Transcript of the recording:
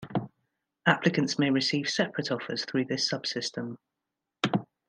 Applicants may receive separate offers through this sub-system.